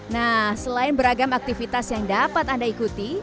nah selain beragam aktivitas yang dapat anda ikuti